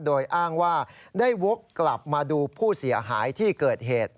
โดยอ้างว่าได้วกกลับมาดูผู้เสียหายที่เกิดเหตุ